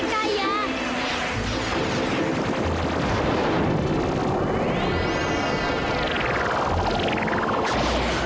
bintang ini temanku